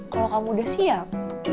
kalau kamu udah siap